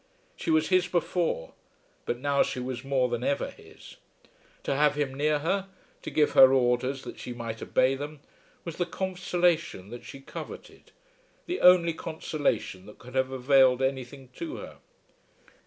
She was his before; but now she was more than ever his. To have him near her, to give her orders that she might obey them, was the consolation that she coveted, the only consolation that could have availed anything to her.